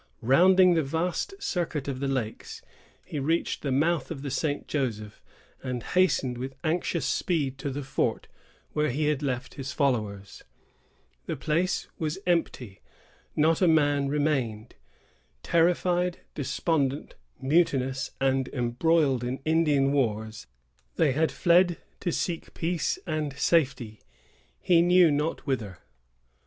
Rounding the vast circuit of the lakes, he reached the mouth of the St. Joseph, and hastened with anxious speed to the fort where he had left his followers. The place was empty. Not a man remained. Terrified, despondent, mutinous, and embroiled in Indian wars, they had fled to seek peace and safety, he knew not whither.